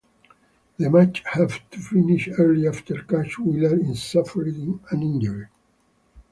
The match had to finish early after Cash Wheeler suffered an injury.